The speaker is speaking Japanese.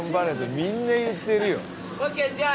みんな言ってるよ。